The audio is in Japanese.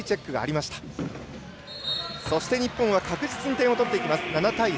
そして、日本は確実に点を取っていきます。